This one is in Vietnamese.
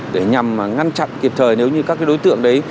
để nhằm ngăn chặn kịp thời nếu như các đối tượng đấy